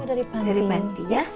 dari panti ya